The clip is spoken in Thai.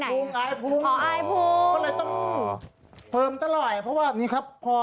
ภุงไอภุงเพิ่มตลอดเนี่ยนะเพราะว่านี่นะครับ